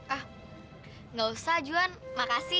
enggak usah juwan makasih